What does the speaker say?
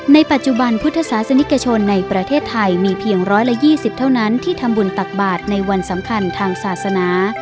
ในปัจจุบันพุทธศาสนิกชนในประเทศไทยมีเพียง๑๒๐เท่านั้นที่ทำบุญตักบาทในวันสำคัญทางศาสนา